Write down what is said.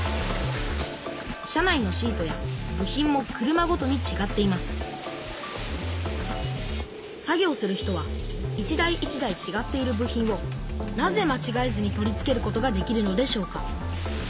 車内のシートや部品も車ごとにちがっています作業する人は一台一台ちがっている部品をなぜまちがえずに取り付けることができるのでしょうか。